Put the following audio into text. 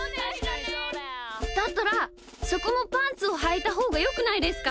だったらそこもパンツをはいたほうがよくないですか？